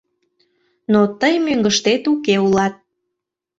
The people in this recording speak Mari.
Но тый мӧҥгыштет уке улат.